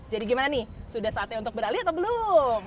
jadi gimana nih sudah saatnya untuk beralih atau belum